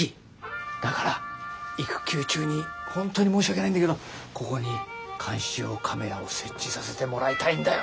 だから育休中に本当に申し訳ないんだけどここに監視用カメラを設置させてもらいたいんだよ。